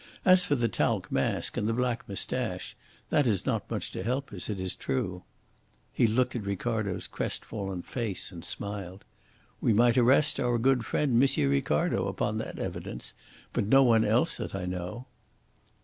"As for the talc mask and the black moustache, that is not much to help us, it is true." He looked at Ricardo's crestfallen face and smiled. "We might arrest our good friend M. Ricardo upon that evidence, but no one else that I know."